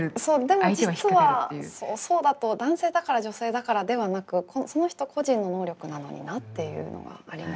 でも実はそうだと男性だから女性だからではなくその人個人の能力なのになっていうのはありますね。